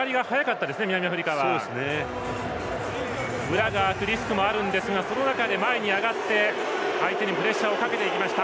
裏が空くリスクもあるんですがその中で前に上がって、相手にプレッシャーをかけていきました。